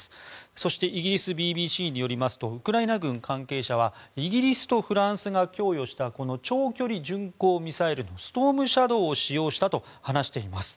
そして、イギリスＢＢＣによりますとウクライナ軍関係者はイギリスとフランスが供与した長距離巡行ミサイルのストームシャドーを使用したと話しています。